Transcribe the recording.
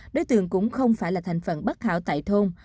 đối tượng cũng không phải là thành phần bất hảo tại thôn